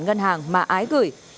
ngân hàng mà ái gửi